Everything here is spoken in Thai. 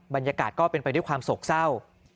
บรรยากาศก็เป็นไปด้วยความโศกเศร้า